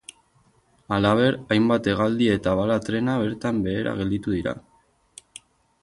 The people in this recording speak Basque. Halaber, hainbat hegaldi eta bala trena bertan behera gelditu dira.